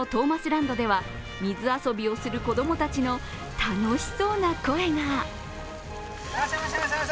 ランドでは水遊びをする子供たちの楽しそうな声が。